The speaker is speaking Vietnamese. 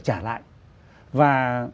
trả lại và